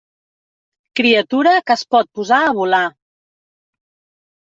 Criatura que es pot posar a volar.